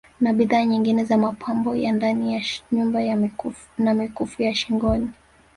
Na bidhaa nyingine za Mapambo ya ndani ya nyumba na mikufu ya Shingoni